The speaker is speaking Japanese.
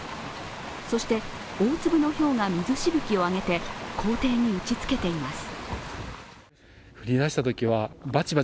そして大粒のひょうが水しぶきを上げて校庭に打ちつけています。